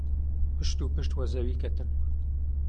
پشت و پشت وە زەوی کەتم.